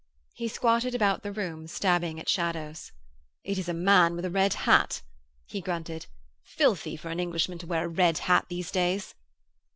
He squatted about the room, stabbing at shadows. 'It is a man with a red hat,' he grunted. 'Filthy for an Englishman to wear a red hat these days!'